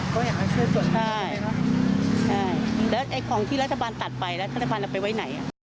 ของที่รัฐบาลตัดไปรัฐบาลเอาไปไหน